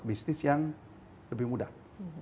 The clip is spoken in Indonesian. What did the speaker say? bisnis yang lebih mudah